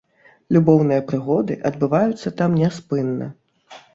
Любоўныя прыгоды адбываюцца там няспынна!